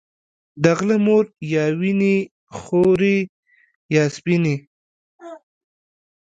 د غله مور يا وينې خورې يا سپينې